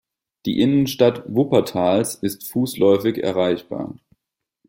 Die Innenstadt Wuppertals ist fußläufig erreichbar.